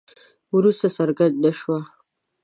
وروسته څرګنده شوه.